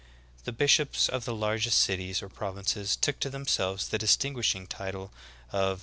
The bishops of the largest cities or provinces, took to themselves the distinguishing title of frMosheim, "Eccl.